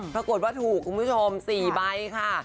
ปรากฏว่าถูกคุณผู้ชม๔ใบค่ะ